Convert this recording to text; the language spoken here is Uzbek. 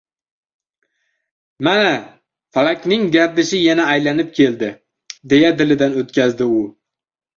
«Mana, falakning gardishi yana aylanib keldi, — deya dilidan o‘tkazdi u.